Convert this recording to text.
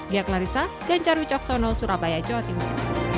diaklarisa gencaru coksono surabaya jawa timur